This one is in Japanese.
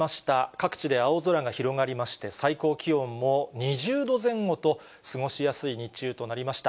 各地で青空が広がりまして、最高気温も２０度前後と、過ごしやすい日中となりました。